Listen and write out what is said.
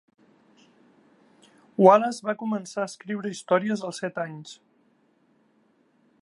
Wallace va començar a escriure històries als set anys.